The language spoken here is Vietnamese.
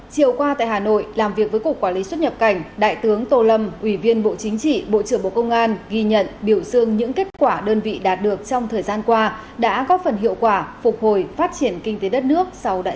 chiều qua tại hà nội làm việc với cục quản lý xuất nhập cảnh đại tướng tô lâm ủy viên bộ chính trị bộ trưởng bộ công an ghi nhận biểu dương những kết quả đơn vị đạt được trong thời gian qua đã có phần hiệu quả phục hồi phát triển kinh tế đất nước sau đại hội